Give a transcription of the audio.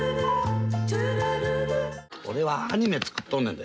俺はアニメ作っとんねんで。